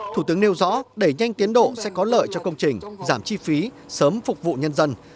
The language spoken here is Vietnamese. thủ tướng nêu rõ đẩy nhanh tiến độ sẽ có lợi cho công trình giảm chi phí sớm phục vụ nhân dân